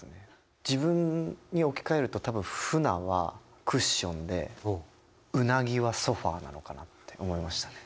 自分に置き換えると多分鮒はクッションでうなぎはソファーなのかなって思いましたね。